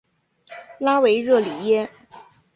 拉维热里耶。